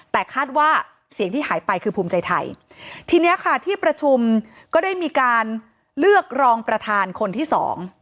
แต่คาดว่าเสียงที่หายไปคือภูมิใจไทยทีเนี้ยค่ะที่ประชุมก็ได้มีการเลือกรองประธานคนที่สอง